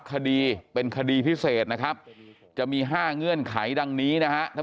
คดีเป็นคดีพิเศษนะครับจะมี๕เงื่อนไขดังนี้นะฮะท่าน